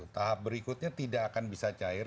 tahap berikutnya tidak akan bisa cair